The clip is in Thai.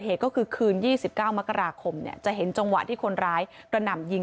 เหตุก็คือคืน๒๙มกราคมจะเห็นจังหวะที่คนร้ายกระหน่ำยิง